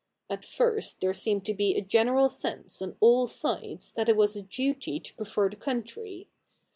At first there seemed to be a general sense on all sides that it was a duty to prefer the country.